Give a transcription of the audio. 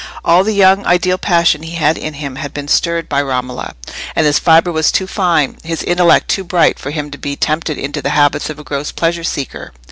All the young ideal passion he had in him had been stirred by Romola, and his fibre was too fine, his intellect too bright, for him to be tempted into the habits of a gross pleasure seeker.